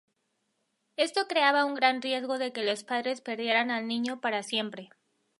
Esto creaba un gran riesgo de que los padres perdieran al niño para siempre.